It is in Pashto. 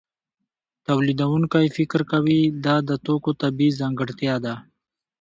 تولیدونکی فکر کوي دا د توکو طبیعي ځانګړتیا ده